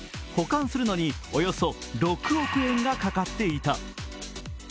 保管するのにおよそ６億円がかかっていた。